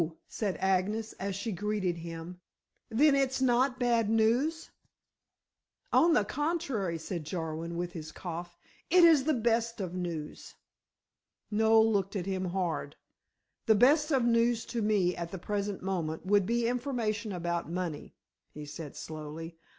said Agnes as she greeted him, "then it's not bad news?" "On the contrary," said Jarwin, with his cough, "it is the best of news." Noel looked at him hard. "The best of news to me at the present moment would be information about money," he said slowly.